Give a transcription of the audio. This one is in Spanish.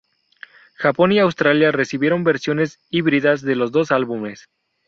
Japón y Australia recibieron versiones híbridas de los dos álbumes.